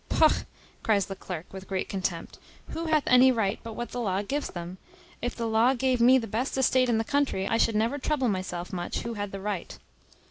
"Pogh!" cries the clerk, with great contempt, "who hath any right but what the law gives them? If the law gave me the best estate in the country, I should never trouble myself much who had the right."